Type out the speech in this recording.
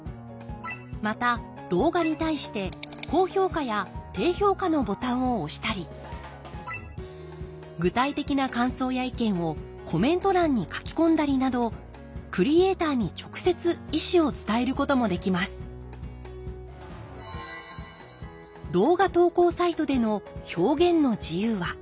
また動画に対して高評価や低評価のボタンを押したり具体的な感想や意見をコメント欄に書き込んだりなどクリエーターに直接意思を伝えることもできますんなるほど。